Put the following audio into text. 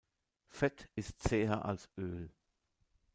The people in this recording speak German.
Fett ist zäher als Öl.